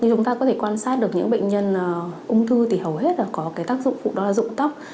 chúng ta có thể quan sát được những bệnh nhân ung thư thì hầu hết là có tác dụng phụ đó là dụng tóc